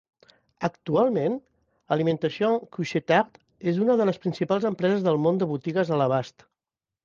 Actualment, Alimentation Couche-Tard és una de les principals empreses del món de botigues a l'abast.